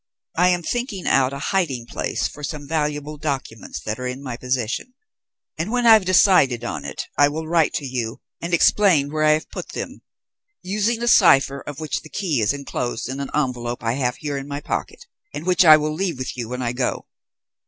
"I am thinking out a hiding place for some valuable documents that are in my possession, and when I have decided on it I will write to you and explain where I have put them, using a cipher of which the key is enclosed in an envelope I have here in my pocket, and which I will leave with you when I go.